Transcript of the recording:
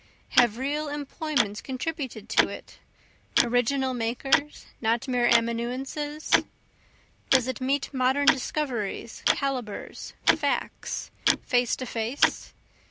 Have real employments contributed to it? original makers, not mere amanuenses? Does it meet modern discoveries, calibres, facts, face to face?